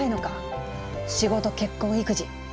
仕事結婚育児。